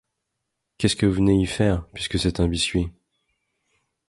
Qu’est-ce que vous venez y faire, puisque c’est un biscuit ?